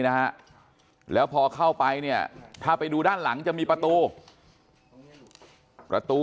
นะฮะแล้วพอเข้าไปเนี่ยถ้าไปดูด้านหลังจะมีประตูประตู